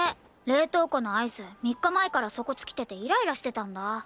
冷凍庫のアイス３日前から底尽きててイライラしてたんだ。